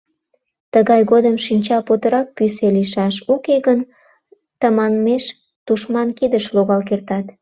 Тыгай годым шинча путырак пӱсӧ лийшаш, уке гын, тыманмеш тушман кидыш логал кертат.